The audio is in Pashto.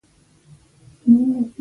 ورور ته د ژوند ملګرتیا ښيي.